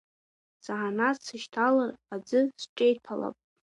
Заанаҵ сышьҭалар аӡы сҿеиҭәалап.